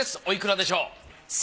おいくらでしょう？